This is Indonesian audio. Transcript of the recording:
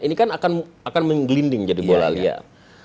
ini kan akan menggelinding jadi bola liar